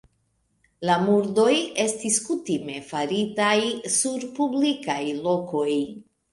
La murdoj estis kutime faritaj sur publikaj lokoj.